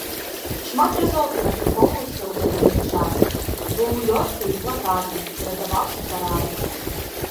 Шмат разоў перадрукоўваўся ў ваенны час, быў улёткай і плакатам, перадаваўся па радыё.